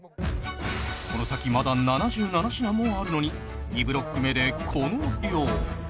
この先まだ７７品もあるのに２ブロック目でこの量